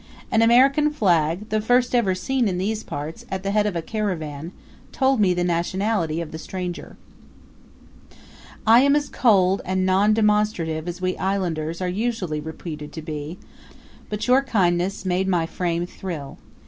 An American flag, the first ever seen in these parts, at the head of a caravan, told me the nationality of the stranger. I am as cold and non demonstrative as we islanders are usually reputed to be; but your kindness made my frame thrill.